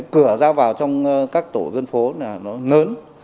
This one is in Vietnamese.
cửa ra vào trong các tổ dân phố là nó lớn